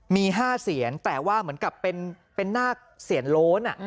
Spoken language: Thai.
มี๕เสียนแต่ว่าเหมือนกับเป็นนาคเสียนโล้น